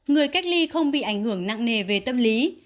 người cách ly không bị ảnh hưởng nặng nề về tâm lý